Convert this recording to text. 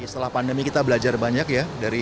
setelah pandemi kita belajar banyak ya